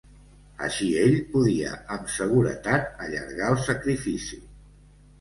Així ell podia amb seguretat allargar el sacrifici